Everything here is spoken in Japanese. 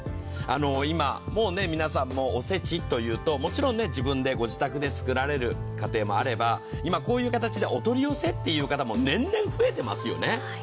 今、もう皆さん、おせちというともちろん自分でご自宅で作られる家庭もあれば今、こういう形でお取り寄せという方も年々増えてますよね。